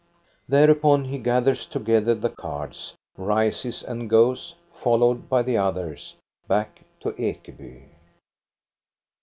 Thereupon he gathers together the cards, rises, and goes, followed by the others, back to Ekeby.